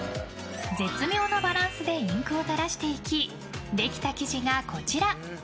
絶妙なバランスでインクを垂らしていきできた生地が、こちら。